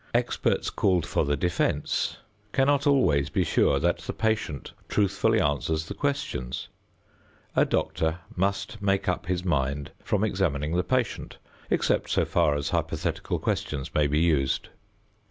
Experts called for the defense cannot always be sure that the patient truthfully answers the questions. A doctor must make up his mind from examining the patient, except so far as hypothetical questions may be used.